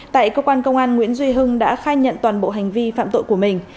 tại cơ quan công an nguyễn duy hưng đã khai nhận toàn bộ hành vi phạm tội của mình